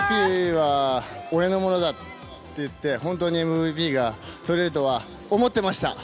ＭＶＰは俺のものだって言って、本当にＭＶＰが取れるとは思ってました。